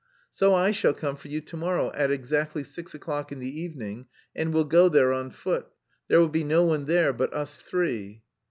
"So I shall come for you to morrow at exactly six o'clock in the evening, and we'll go there on foot. There will be no one there but us three."